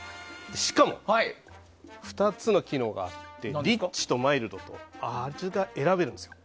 しかも２つの機能があってリッチとマイルドって味が選べるんですよ。